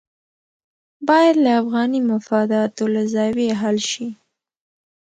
باید له افغاني مفاداتو له زاویې حل شي.